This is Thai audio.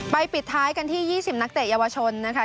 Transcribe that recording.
ปิดท้ายกันที่๒๐นักเตะเยาวชนนะคะ